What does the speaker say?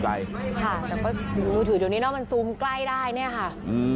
ใช่แล้วก็มือถือตรงนี้เนี่ยมันซุ้มใกล้ได้เนี่ยค่ะ